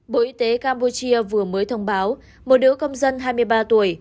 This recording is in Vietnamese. bộ y tế campuchia vừa mới thông báo một nữ công dân hai mươi ba tuổi